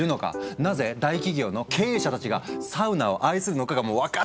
なぜ大企業の経営者たちがサウナを愛するのかが分かっちゃうっていう。